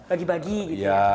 pagi pagi gitu ya